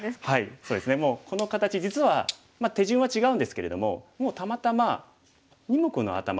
もうこの形実は手順は違うんですけれどももうたまたま二目のアタマ